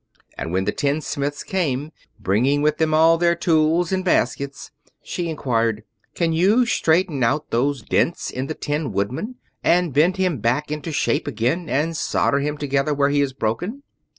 And when the tinsmiths came, bringing with them all their tools in baskets, she inquired, "Can you straighten out those dents in the Tin Woodman, and bend him back into shape again, and solder him together where he is broken?"